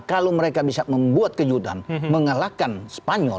kalau mereka bisa membuat kejutan mengalahkan spanyol